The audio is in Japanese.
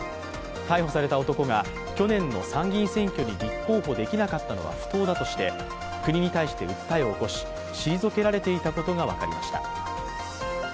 逮捕された男が去年の参議院選挙に立候補できなかったのは不当だとして国に対して訴えを起こし退けられていたことが分かりました。